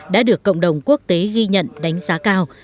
đã được cộng đồng quốc tế ghi nhận đánh giá cao